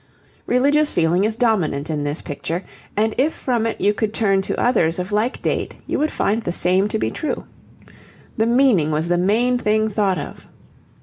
Religious feeling is dominant in this picture, and if from it you could turn to others of like date, you would find the same to be true. The meaning was the main thing thought of.